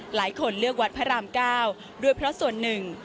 หลายคนเลือกวัดพระราม๙ด้วยเพราะส่วนหนึ่ง